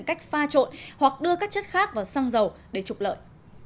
cách pha trộn hoặc đưa các chất khác vào xăng dầu để trục lợi